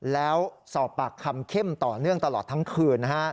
แล้วสอบปากคำเข้มต่อเนื่องตลอดทั้งคืน